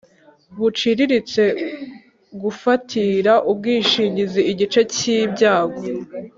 buciriritse gufatira ubwishingizi igice cy ibyago